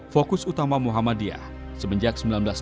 fokus utama muhammadiyah semenjak seribu sembilan ratus dua belas